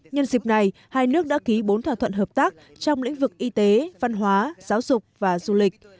nhân dịp này hai nước đã ký bốn thỏa thuận hợp tác trong lĩnh vực y tế văn hóa giáo dục và du lịch